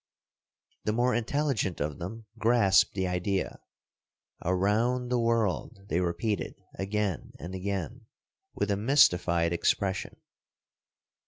The more intelligent of them grasped the idea. "Around the world," they repeated again and again, with a mystified expression.